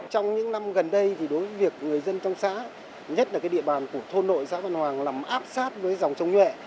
trong những năm gần đây đối với việc người dân trong xã nhất là địa bàn của thôn nội xã văn hoàng nằm áp sát với dòng sông nhuệ